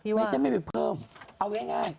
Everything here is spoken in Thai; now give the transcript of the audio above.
ไม่ใช่ไม่ไปเพิ่มเอาง่าย